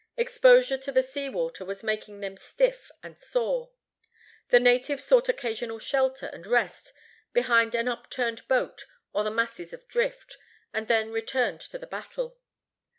Exposure to the sea water was making them stiff and sore. The natives sought occasional shelter and rest behind an up turned boat or the masses of drift, and then returned to the battle.